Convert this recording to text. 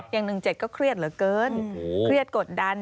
อย่าง๑๗ก็เครียดเหลือเกินเครียดกดดัน